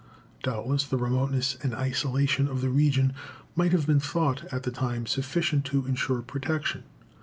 Doubtless the remoteness and isolation of the region might have been thought, at the time, sufficient to insure protection.